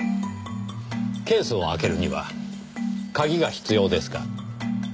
ケースを開けるには鍵が必要ですが。